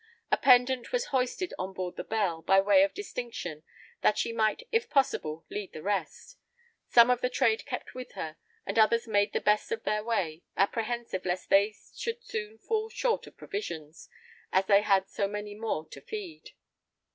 A pendant was hoisted on board the Belle, by way of distinction, that she might, if possible, lead the rest. Some of the trade kept with her, and others made the best of their way, apprehensive lest they should soon fall short of provisions, as they had so many more to feed.